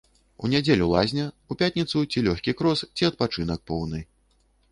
У нядзелю лазня, у пятніцу ці лёгкі крос, ці адпачынак поўны.